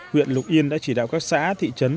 huyện lục yên đã chỉ đạo các xã thị trấn